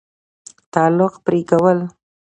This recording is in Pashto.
تعلق پرې كول